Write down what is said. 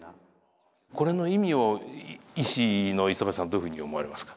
これの意味を医師の磯貝さんどういうふうに思われますか？